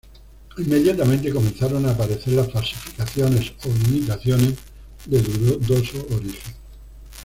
Inmediatamente comenzaron a aparecer las falsificaciones o imitaciones de dudoso origen.